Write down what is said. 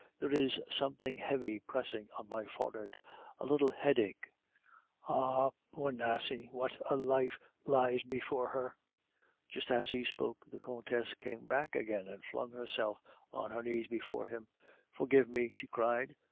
There is something heavy pressing on my forehead, a little headache.... Ah! poor Nasie, what a life lies before her!" Just as he spoke, the Countess came back again and flung herself on her knees before him. "Forgive me!" she cried.